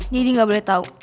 jadi gak boleh tau